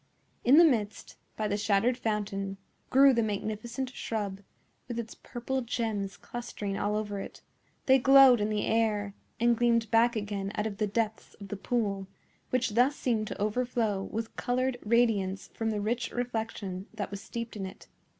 In the midst, by the shattered fountain, grew the magnificent shrub, with its purple gems clustering all over it; they glowed in the air, and gleamed back again out of the depths of the pool, which thus seemed to overflow with colored radiance from the rich reflection that was steeped in it.